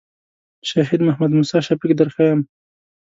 شهید محمد موسی شفیق در ښیم.